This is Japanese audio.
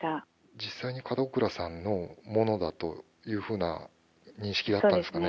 実際に門倉さんのものだというふうな認識だったんですね。